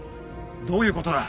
どういうことだ